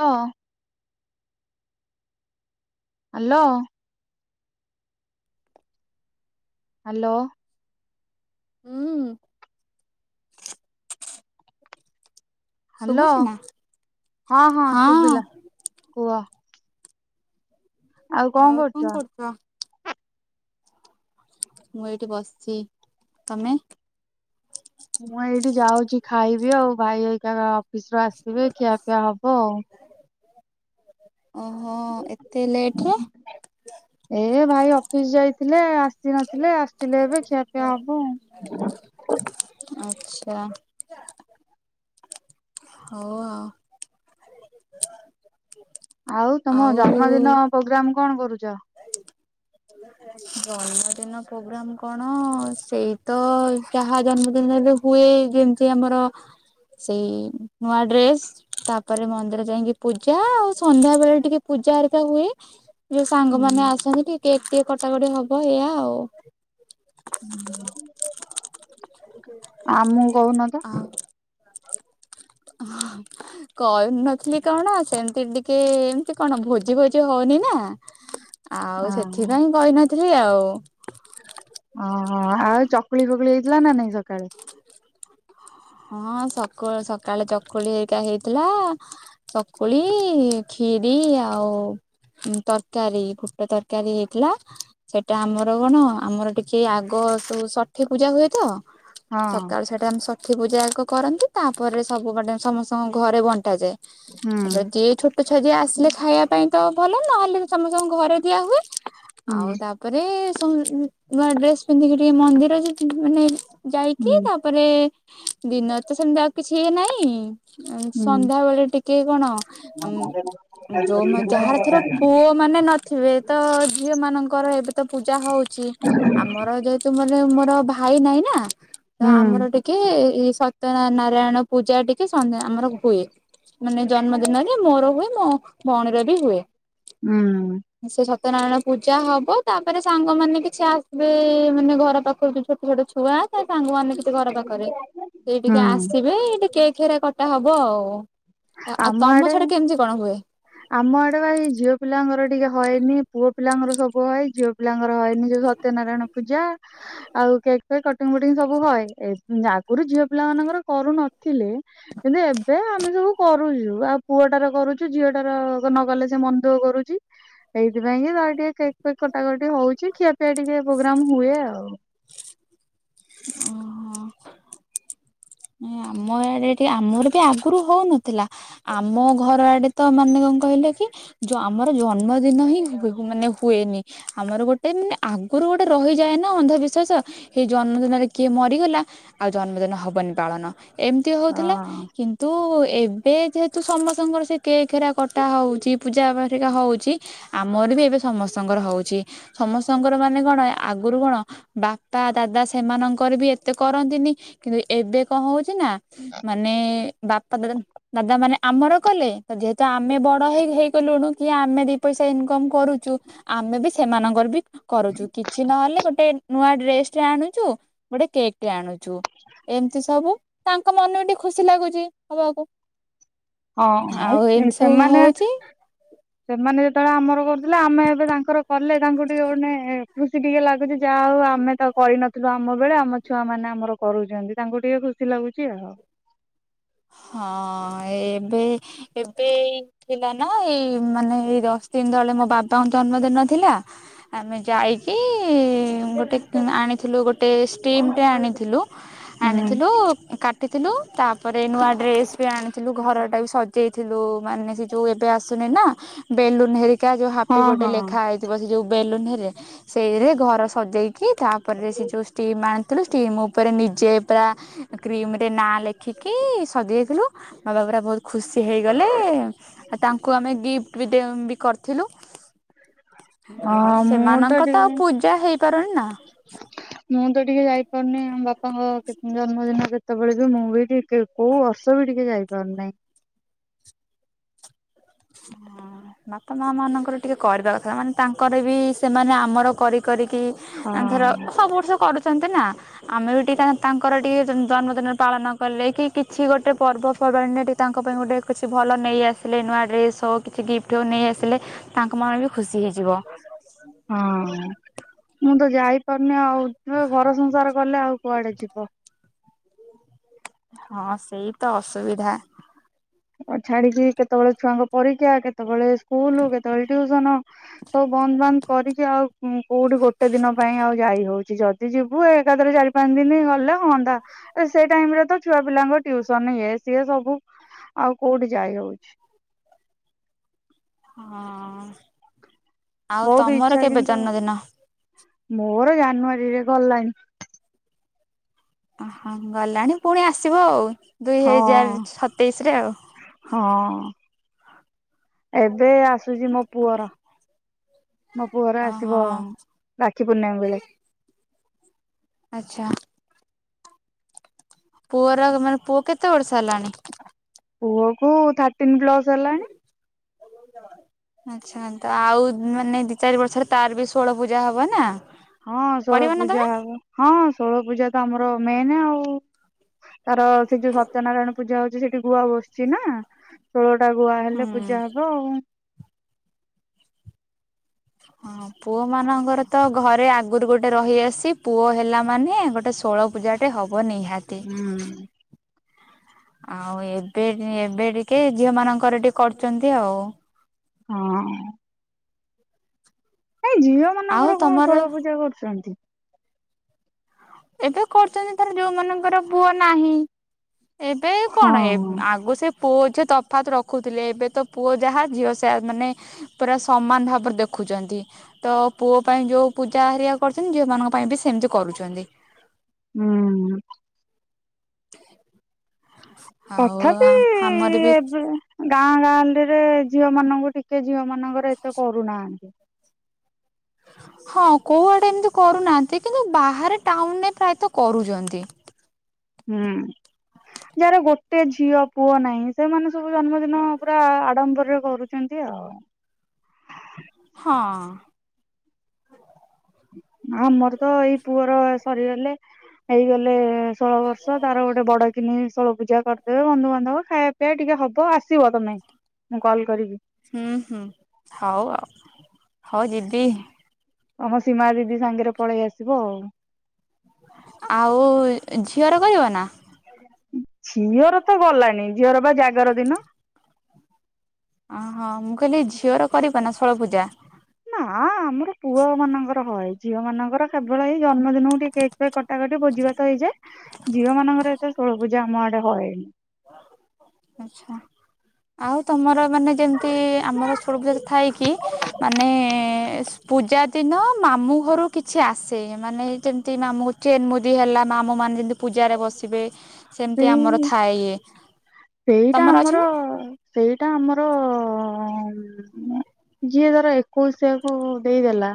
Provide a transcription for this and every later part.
ହଁ। Hello. Hello. ହୁଁ। Hello, ଶୁଭୁଛି ନା ହଁ ହଁ ଶୁବିଲା କୁହ? ଆଉ କଣ କରୁଚ? ମୁଁ ଏଇଠି ବସିଚି। ତମେ? ମୁଁ ଏଇଠି ଯାଉଚି ଖାଇବି ଆଉ ଭାଇ ହେଇକା ଅଫିସ ରୁ ଆସିବେ ଖିଆପିଆ ହବ ଆଉ। ଓହୋ ଏତେ ଲେଟ୍ ରେ? ଏ ଭାଇ ଅଫିସ୍ ଯାଇଥିଲେ ଆସି ନଥିଲେ ଆସିଲେ ଏବେ ଖିଆପିଆ ହବ ଆଉ। ଆଚ୍ଛା। ହଉ ଆ ଆଉ ତମ ଜନ୍ମଦିନ ପୋଗ୍ରାମ କଣ କରୁଚ? ଜନ୍ମ ଦିନ ପୋ ଗ୍ରାମ କଣ ସେଇତ ଯାହା ଜନ୍ମଦିନରେ ହୁଏ ଯେମିତି ଆମର ସେଇ ନୂଆ ଡ୍ରେସ୍ ତାପରେ ମନ୍ଦିର ଯାଇକି ପୂଜା ଆଉ ସନ୍ଧ୍ୟା ବେଳେ ଟିକେ ପୂଜା ଆରିକା ହୁଏ। ଯୋଉ ସାଙ୍ଗମାନେ ଆସନ୍ତି ଟିକେ କେକ୍ ଟିକେ କଟାକଟି ହବ ଏଇଆ ଆଉ। [unintelligible] ଆମୁକୁ କହୁନ ତ? [unintelligible] କହୁନଥିଲି କଣ ସେମତି ଟିକେ ଏମତି କଣ ଭୋଜି ଫୋଜି ହଉନି ନା। ଆଉ ହଁ। ସେଥିପାଇଁ କହିନଥିଲି ଆଉ। ଅହ ଆଉ ଚକୁଳି ଫକୁଳି ହେଇଥିଲା ନା ନାଇଁ ସକାଳେ? ହଁ ସକଳ ସକାଳେ ଚକୁଳି ହେଇିକା ହେଇଥିଲା ଚକୁଳି ଖିରି ଆଉ ତରକାରୀ ଫୁଟ ତରକାରୀ ହେଇଥିଲା। ସେଟା ଆମର କଣ ଆମର ଟିକେ ଆଗ ସ ଷଠି ପୂଜା ହୁଏ ତ। ହଁ ସକାଳୁ ସେଟା ଆମେ ସ ଠୀ ପୂଜା ଆଗ କରନ୍ତି। ତାପରେ ସବୁ ଗୋଟେ ସମସ୍ତଙ୍କ ଘରେ ବଣ୍ଟାଯାଏ। ତାପରେ ହୁଁ ଯିଏ ଛୋ ଟ ଛୁଆ ଯିଏ ଆସିଲେ ଖାଇବା ପାଇଁ ତ ଭଲ, ନହେଲେ ବି ସମସ୍ତଙ୍କ ଘରେ ଦିଆ ହୁଏ। ଆଉ ହୁଁ ତାପ୍ ପରେ ସମ୍ ନୂ-ନୂଆ ଡ୍ରେସ୍ ପିନ୍ଧିକି ଟିକେ ମନ୍ଦିର ଯା ମାନେ ଯାଇକି ତା ହୁଁ ତାପରେ ଦିନରେ ତ ସେମିତି ଆଉ କିଛି ଇଏ ନାଇଁ ଅଁ ହୁଁ ସନ୍ଧ୍ୟା ବେଳେ ଟିକେ କଣ ଅଁ ଯୋଉମାନେ ଯାହାର ଥର ପୁଅ ମାନେ ନଥିବେ ତ ଝିଅ ମାନଙ୍କର ଏବେ ତ ପୂଜା ହଉଚି। ଆମର ଯେହେତୁ ମାନେ ମୋର ଭାଇ ନାଇଁ ନା ହୁଁ ତ ଆମର ଟିକେ ଇ ସତ୍ୟ ନାରାୟଣ ପୂଜା ଟିକେ ସନ୍ଧ୍ୟା ଆମର ହୁଏ ମାନେ ଜନ୍ମ ଦିନରେ ମୋର ହୁଏ ମୋ ଭଉଣୀର ବି ହୁଏ। ହୁଁ। ସେ ସତ୍ୟନାରାୟଣ ପୂଜା ହବ ତାପରେ ସାଙ୍ଗମାନେ କିଛି ଆସିବେ ମାନେ ଘର ପାଖରୁ ଯ ଛୋଟ ଗୋଟେ ଛୁଆ ତା ସାଙ୍ଗମାନେ ଘର ପାଖରେ ସେଇ ଟିକେ ହୁଁ ଆସିବେ ଏ ଟ କେ ଖେରା କଟା ହବ ଆଉ। ଆଉ ଆମ ତମ ଆଡେ ଛାଡା କେମିତି କଣ ହୁଏ? ଆମ ଆଡେ ଏଇ ଝିଅ ପିଲାଙ୍କର ଟିକେ ହଏନି ପୁଅ ପିଲାଙ୍କର ସବୁ ହଏ ଝିଅ ପିଲାଙ୍କର ହଏନି ଯୋଉ ସତ୍ୟନାରାୟଣ ପୂଜା ଆଉ କେକ୍ ଫକ୍ କଟିଙ୍ଗ ଫୁଟିଙ୍ଗ ସବୁ ହଏ ଆଗରୁ ଝିଅ ପିଲା ମାନଙ୍କର କରୁନଥିଲେ କିନ୍ତୁ ଏବେ ଆମେ ସବୁ କରୁଚୁ ଆଉ ପୁଅଟାରେ କରୁଚୁ ଝିଅ ନ ଗଲେ ସେ ମନ୍ଦୁ କରୁଚି ସେଇଥି ପାଇଁଁ କି ତା ଟିକେ ସେ କଟାକଟି ହଉଚି ଖିଆ ପିଆ ଟିକେ ପ୍ରୋଗ୍ରାମ ହୁଏ ଆଉ। ଓହୋ। ନାଇଁ ଆମ ଇଆଡେ ଟିକେ ଆମର ବି ଆଗରୁ ହଉନଥିଲା। ଆମ ଘର ଆଡେ ତ ମାନେ କଣ କହିଲେ କି? ଯ ଆମର ଜନ୍ମଦିନ ହିଁ ବୁ ବୁ ମାନେ ହୁଏନି। ଆମର ଗୋଟେ ମାନେ ଆଗରୁ ଗୋଟେ ରହିଯାଏ ନା ଅନ୍ଧବିଶ୍ଵାସ। ହେଇ ଜନ୍ମଦିନରେ କିଏ ମରିଗଲା ଆଉ ଜନ୍ମଦିନ ହବନି। ପାଳନ ଏମିତି ହଉଥିଲା କିନ୍ତୁ ଏ କେକ ଯେହେତୁ ସମସ୍ତଙ୍କର ସେ କେକ୍ ହେରା କଟା ହଉଚି ପୂଜା ପା ହେରିକା ହଉଚି ଆମର ବି ଏବେ ସମସ୍ତଙ୍କର ହଉଚି ସମସ୍ତଙ୍କର ମାନେ କଣ ଆଗୁରୁ କଣ ବାପା ଦାଦା ସେମାନଙ୍କର ବି ଏତେ କରନ୍ତିନି କିନ୍ତୁ ଏବେ କଣ ହଉଛି ନା ମାନେ ବାପା ଦାଦା ଦାଦା ମାନେ ଆମର କଲେ ତ ଯେହେତୁ ଆମେ ବଡ ହେଇ ହେଇଗଲୁୁଣୁ କି ଆମେ ଦି ପଇସା ଇନକମ କରୁଚୁ ଆମେ ବି ସେମାନଙ୍କର ବି କରୁଚୁ କିଛି ନହେଲେ ଗୋଟେ ନୂଆ ଡ୍ରେସଟେ ଆଣୁଚୁ ଗୋଟେ କେକ୍ଟେ ଆଣୁଚୁ। ଏମିତି ସବୁ ତାଙ୍କ ମାନଂକୁ ଟିକେ ଖୁସି ଲାଗୁଚି ହବାକୁ। ହଁ ଆଉ ହଁ ଏମିତି ସବୁ ସେମାନେ ହଉଚି। ସେମାନେ ଯେତେବେଳେ ଆମର କରୁଥିଲେ ଆମେ ଏବେ ତାଙ୍କର କଲେ ତାଙ୍କୁ ଟିକେ ଗୋଟେ ଖୁ୍ସ ଖୁସି ଟିକେ ଲାଗୁଛି ଯାହା ହଉ ଆମେ ତା କରିନଥିଲୁ ଆମ ବେଳେ ଆମ ଛୁଆ ମାନ ଆମ କରୁଛନ୍ତି ତାଙ୍କୁ ଟିକେ ଖୁସି ଖୁସି ଲାଗୁଛି ଆଉ। ହଁ ଏବେ ଏବେଇ ଥିଲା ନା ଏଇ ମାନେ ଏଇ ର ତିନ ଦିନ ତଳେ ମୋ ବାବାଙ୍କ ଜନ୍ମଦିନ ଥିଲା। ଆମେ ଯାଇକି ଗୋଟେ କି ଆଣିଥିଲୁ ଗୋଟେ ଷ୍ଟିମ୍ଟେ ଆଣିଥିଲୁ ହୁଁ। ଆଣିଥିଲୁ କାଟିଥିଲୁ ତା ତା ପରେ ନୂଆ ଡ୍ରେସ୍ ବି ଆଣିଥିଲୁ ଘରଟା ବି ସଜେଇଥିଲୁ ମାନେ ସେ ଯଉ ଏବେ ଆସୁନି ନା ବେଲୁନ ହେରିକା ଯୋଉ ହାପି ହଁ ବଡେ ହଁ ଲେଖା ହେଇଥିବ ସେ ଯୋଉ ବେଲୁନ ହେରିକା ସେଇରା ଘର ସଜେଇକି ତାପରେ ସେ ଯେଉଁ ଷ୍ଟିମ୍ ଆଣ ଷ୍ଟିମ ଉପରେ ନିଜେ ପୁରା କ୍ରିମରେ ନାଁ ଲେଖ ଖୀକି ସଜେଇଥିଲୁ। ବାବା ପୁରା ବହୁତ ଖୁସି ହେଇଗଲେ ଆଉ ତାଙ୍କୁ ଆମେ ଗିଫ୍ଟ ବି ଦେ କରି ଥିଲୁ ଆଉ ହଁ ମୁଁ ସେମାନଙ୍କ ତ ଆଉ ଟିକେ ପୂଜା ହେଇପାରୁନି ନା ମୁଁ ତ ଟିକେ ଯାଇପାରୁନି ଆମ ବାପାଙ୍କ କେତେ ଦିନ ଜନ୍ମ ଦିନ କେତେବେଳେ ଯେ ମୁଁ ବି ଟିକେ କୋଉ ବର୍ଷ ବି ଟିକେ ଯାଇପାରୁନାଇଁ। ହଁ। ମାପ ମା ମାନଙ୍କର ଟିକେ କରିଦବା କଥା ମାନେ ତାଙ୍କର ବି ସେମାନେ ଆମର କରି କରିକି ତାଙ୍କର ହଁ। ସବୁ ବର୍ଷ କରୁଛନ୍ତି ନା। ଆମେ ବି ଟିକେ ତାଙ୍କର ଟିକେ ଜନ୍ମଦିନ ପାଳନ କଲେ କି କିଛି ଗୋଟେ ପର୍ବପର୍ବାଣିୀରେ ଟି ତାଙ୍କ ପାଇଁ ଗୋଟେ କିଛି ଭଲ ନେଇଆସିଲେ ନୂଆ ଡ୍ରେସ୍ ତ କିଛି ଗିଫ୍ଟ ହଉ ନେଇ ଆସିଲେ ତାଙ୍କ ମନ ବି ଖୁସି ହେଇଯିବ। ହ ହଁ ମୁଁ ତ ଯାଇପାରୁନି ଆଉ ତୁ ତ ଘର ସଂସାର କଲେ ଆଉ କୁଆଡେ ଯିବ। ହଁ ସେଇ ତ ଅସୁବିଧା। ଛାଡିକି କେତେବେଳେ ଛୁଆଙ୍କ ପରୀକ୍ଷା କେତେବେଳେ ସ୍କୁଲ କେତେବେଳେ ଟ୍ୟୁସନ ସବୁ ବନ୍ଦ ବାନ୍ଦ। କରିକି ଆଉ କୋଉଠି ଗୋଟେ ଦିନ ପାଇଁ ଆଉ ଯାଇ ହଉଛି ଯଦି ଯିବୁ ଏକାଧରେ ଚାରି ପାଞ୍ଚ ଦିନ ଗଲେ ହୁଅନ୍ତା ସେଇ ଟାଇମରେ ତ ଛୁଆ ପିଲାଙ୍କ ଟ୍ୟୁସନ ଇଏ ସିଏ ସବୁ ଆଉ କୋଉଠି ଯାଇ ହଉଛି? ହଁ ଆଉ ବହୁତ ତମର ଇଚ୍ଛା କେବେ କିନ୍ତୁ ଜନ୍ମଦିନ? ମୋର ଜାନୁଆରୀରେ ଗଲାଣିି। ଓହ ଗଲାଣି ପୁଣି ଆସିବ ଆଉ ଦୁଇ ହଁ ହଜାର ସତେଇଶରେ ଆଉ ହଁ। ଏବେ ଆସୁଛି ମୋ ପୁଅର ମୋ ପୁଅର ଓହୋ ଆସିବ ରାକ୍ଷୀ ପୂର୍ଣ୍ଣିମା ବେଳେ ଆଚ୍ଛା। ପୁଅର ମାନେ ପୁଅ କେତେ ବର୍ଷ ହେଲାଣି? ପୁଅକୁ ଥାର୍ଟିନ୍ ପ୍ଲସ ହେଲାଣି। [inaudible] ଆଚ୍ଛା ତ ଆଉ ମାନେ ଦି ଚାରି ବର୍ଷରେ ତାର ବି ଷୋଳ ପୂଜା ହବ ନା? ହଁ ଷୋଳ କରିବ ନା ପୂଜା ତମେ? ହବ ହଁ ଷୋଳ ପୂଜା ତ ଆମର ମେନ୍ ଆଉ ତାର ସେ ଯୋଉ ସତ୍ୟନାରାୟଣ ପୂଜା ହଉଛି ସେଠି ଗୁଆ ବସିଛି ନା? ଷୋଳଟା ଗୁଆ ହୁଁ ହେଲେ ପୂଜା ହବ ଆଉ ହଁ। ପୁଅ ମାନଙ୍କର ତ ଘରେ ଆଗରୁ ଗୋଟେ ରହିଆସିଛି ପୁଅ ହେଲା ମାନେ ଗୋଟେ ଷୋଳପୁଜା ଟେ ହବ ନିହାତି। ହୁଁ। ଆଉ ଏବେ ଏବେ ଟିକେ ଝିଅ ମାନଙ୍କର ଟିକେ କରୁଛନ୍ତି ଆଉ ହଁ। ଏଇ ଝିଅ ଆଉ ମାନଙ୍କର କଣ ତମର ଷୋଳପୂଜା କରୁଛନ୍ତି? ଏବେ କରୁଛନ୍ତି ଧର ଯୋଉମାନଙ୍କର ପୁଅ ନାହିଁ। ଏବେ କଣ ହଁ। ଆଗୁ ସେ ପୁଅ ଝିଅ ତଫାତ ରଖୁଥିଲେ ଏବେ ତ ପୁଅ ଯାହା ଝିଅ ସେ ମାନେ ପୁରା ସମାନ ଭାବରେ ଦେଖୁ ଦେଖୁଛନ୍ତି ତ ପୁଅ ପାଇଁ ଯୋଉ ପୂଜା ହାରିଆ କରୁଛନ୍ତି ଝିଅମାନଙ୍କ ପାଇଁ ବି ସେମିତି କରୁଛନ୍ତି। ହୁଁ। ହ ତଥାପି ବି ଏବେ ଗାଁ ଗାଁଉଲିରେ ଝିଅ ମାନଙ୍କୁ ଟିକେ ଝିଅ ମାନଙ୍କର ଏତେ କରୁନାହାନ୍ତି। ହଁ କୋଉଆଡେ ଏମିତି କରୁନାହାନ୍ତି କିନ୍ତୁ ବାହାରେ ଟାଉନରେ ପ୍ରାୟତଃ କରୁଛନ୍ତି। ହୁଁ। ଯାହାର ଗୋଟେ ଝିଅ ପୁଅ ନାହିଁ ସେମାନେ ସବୁ ଜନ୍ମଦିନ ପୁରା ଆଡମ୍ବରରେ କରୁ ଛନ୍ତି ଆଉ ହଁ। ଆମର ତ ଏଇ ପୁଅର ସରିଗଲେ। ହେଇଗଲେ ଷୋଳ ବର୍ଷ ତାର ଗୋଟେ ବଡକିନି ଷୋଳ ପୂଜା କରିଦେବେ ବନ୍ଧୁବାନ୍ଧବ ଖାଇବା ଏ ଟିକେ ହବ ଆସିବ ତମେ ମୁଁ କଲ୍ କରିବି। ହୁଁ ହୁଁ ହଉ ଆଉ ହଉ ଯିବି। ହଁ ସୀମା ଦିଦି ସାଙ୍ଗରେ ପଳେଇ ଆସିବ ଆଉ ଆଉ ଝିଅର କରିବନା? ଝିଅର ତ ଗଲାନି ଝିଅର ବା ଜାଗର ଦିନ। ଅହ ମୁଁ କହିଲି ଝିଅର କରିବ ନା ଷୋଳପୂଜା? ନା ଆମର ପୁଅ ମାନଙ୍କର ହଏ ଝିଅ ମାନଙ୍କର କେବଳ ଏଇ ଜନ୍ମଦିନକୁ ଟିକେ କେକ୍ ଫେକ୍ କଟାକଟି ଭୋଜି ଭାତ ହୋଇଯାଏ ଝିଅ ମାନଙ୍କର ଏତେ ଷୋଳପୂଜା ଆମ ଆଡ଼େ ହଏନି। ଆଚ୍ଛା। ଆଉ ତମର ମାନେ ଯେମିତି ଆମର ଷୋଳପୂଜା ଥାଇ କି ମାନେ ପୂଜା ଦିନ ମାମୁଁ ଘରୁ କିଛି ଆସେ ମାନେ ଯେମତି ମାମୁ ଚେନ ମୁଦି ହେଲା ମାମୁଁ ମାନେ ଯେଦି ପୂଜାରେ ବସିବେ ସେମିତି ସେଇ ଆମର ଥାଏ ଇଏ। ସେଇଟା ତମର ଅଛି ଆମର ନା? ସେଇଟା ଆମର ଯିଏ ଧର ଏକୋଇଶିଆକୁ ଦେଇଦେଲା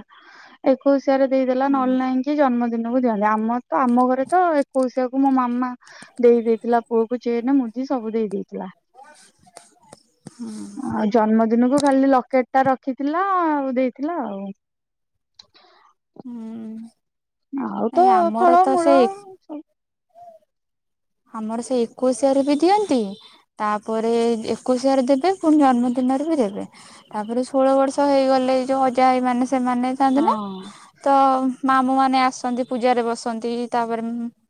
ଏକୋଇଶିଆ ରେ ଦେଇଦେଲା ନହେଲେ ନାହିଁ କି ଜନ୍ମଦିନକୁ ଦିଆ ହେଲେ ଆମର ତ ଆମ ଘରେ ତ ଏକୋଇଶିଆକୁ ମୋ ମାମା ଦେଇ ଦେଇଥିଲା ପୁଅକୁ ଚେନ ମୁଦି ସବୁ ଦେଇ ଦେଇଥିଲା। [inaudible] ହୁଁ। ଆଉ ଜନ୍ମଦିନକୁ ଖାଲି ଲକେଟ ଟା ରଖିଥିଲା ଆଉ ଦେଇଥିଲା ଆଉ। ହୁଁ। ଆଉ ତ ଆମର ତ ସେ ଫଳମୂଳ ସବୁ ଆମର ସେଇ ଏକୋଇଶିଆରେ ବି ଦିଅନ୍ତି ତାପରେ ଏକୋଇଶିଆରେ ଦେବେ ପୁଣି ଜନ୍ମଦିନରେ ବି ଦେବେ। ତାପରେ ଷୋଳ ବର୍ଷ ହେଇଗଲେ ଏଇ ଯୋଉ ଅଜା ଆଈ ମାନେ ସେମାନେ ଥାଆନ୍ତି ନା ହଁ ତ ମାମୁଁ ମାନେ ଆସନ୍ତି ପୂଜାରେ ବସନ୍ତି ତାପରେ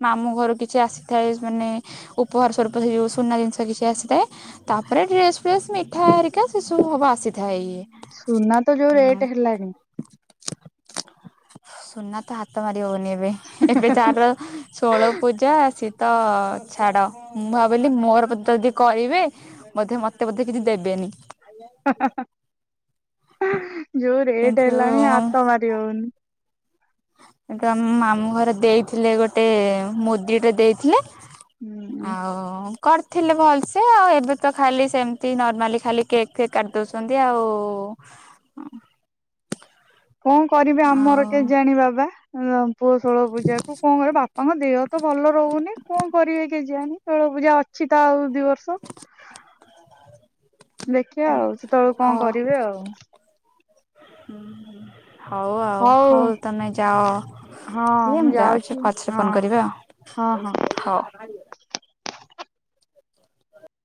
ମାମୁଁ ଘରୁ କିଛି ଆସିଥାଏ ମାନେ ଉପହାର ସ୍ୱରୂପ ସେ ଯୋଉ ସୁନା ଜିନିଷ କିଛି ଆସିଥାଏ। ତାପରେ ଡ୍ରେସ୍ ଫ୍ରେସ୍ ମିଠା ହେରିକା ସେସବୁ ଅବା ଆସିଥାଏ ଇଏ। ସୁନା ତ ଯୋଉ ରେଟ୍ ହୁଁ ହେଲାଣି। ସୁନା ତ ହାତ ମାରି ହବନି ଏବେ ଏବେ ଯହାର ଷୋଳ ପୂଜା ସିଏ ତ ଛାଡ଼ ମୁଁ ଭାବିଲି ମୋର ତ ଯଦି କହିବେ ବୋଧେ ମତେ ବୋଧେ କିଛି ଦେବେନି। [inaudible] ଯୋଉ ରେଟ କିନ୍ତୁ ହେଲାଣି ହାତ ମାରି ହଉନି। ଏଇ ତ ମାମୁଁ ଘର ଦେଇଥିଲେ ଗୋଟେ ମୁଦି ଟେ ଦେଇଥିଲେ। ହୁଁ। ଆଉ କରିଥିଲି ଭଲ ସେ ଆଉ ଏବେ ତ ଖାଲି ସେମିତି ନର୍ମାଲି ଖାଲି କେକ୍ ଫେକ୍ କାଟି ଦଉଛନ୍ତି ଆଉ। [inaudible] କଂ କରିବେ ଆଉ ଆମର କେଜାଣି ବାବା [inaudible] ପୁଅ ଷୋଳ ପୂଜା କୁ କଂ କରିବେ ବାପାଙ୍କ ଦେହ ତ ଭଲ ରହୁନି କଣ କରିବେ। କେଜାଣି ଷୋଳ ପୂଜା ଅଛି ତ ଆଉ ଦି ବର୍ଷ। ଦେଖିବା ଆଉ ସେତେବେଳକୁ ହ କଣ କରିବେ ଆଉ। ହଉ ଆଉ ହଉ ତମେ ଯାଅ ହଁ ମୁଁ ଇଏମ୍ ଯାଉଛି ପଛରେ ହଁ ଫୋନ କରିବି ହଁ ହଁ। ଆଉ ହଉ।